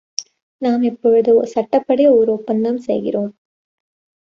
நாம் இப்பொழுது, சட்டப்படி ஓர் ஒப்பந்தம் செய்கிறோம்.